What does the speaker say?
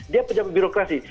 dia penjaga birokrasi